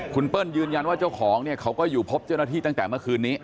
คุณเปิ้ลยืนยันว่าเจ้าของเนี่ยเขาก็อยู่พบเจ้าหน้าที่ตั้งแต่เมื่อคืนนี้